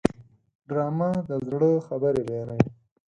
ډرامه د زړه خبرې بیانوي